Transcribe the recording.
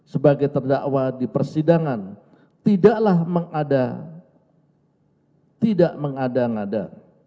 sebagai terdakwa di persidangan tidaklah mengada tidak mengada ngada